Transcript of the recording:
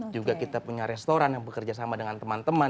juga kita punya restoran yang bekerja sama dengan teman teman